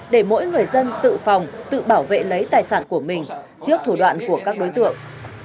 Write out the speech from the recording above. để mỗi người dân tự phòng tự bảo vệ lấy tài sản của mình trước thủ đoạn của các đối tượng